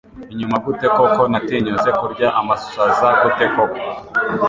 inyuma gute koko Natinyutse kurya amashaza gute koko